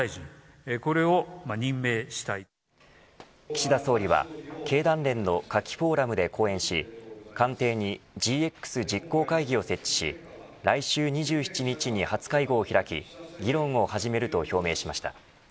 岸田総理は経団連の夏季フォーラムで講演し官邸にＧＸ実行会議を設置し来週２７日に初会合を開き議論を始めると表明しました。